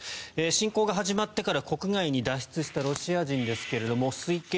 侵攻が始まってから国外に脱出したロシア人ですが推計